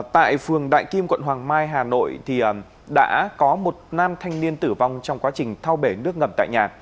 tại phường đại kim quận hoàng mai hà nội đã có một nam thanh niên tử vong trong quá trình thao bể nước ngầm tại nhà